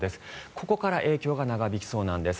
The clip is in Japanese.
ここから影響が長引きそうなんです。